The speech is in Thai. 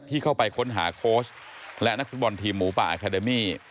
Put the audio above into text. เข้าไปค้นหาโค้ชและนักฟุตบอลทีมหมูป่าอาคาเดมี่